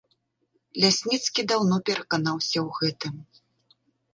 Лясніцкі даўно пераканаўся ў гэтым.